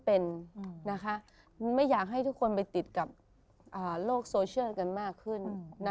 ไม่อยากให้ทุกคนไปติดกับโลกโซเชียลกันมากขึ้น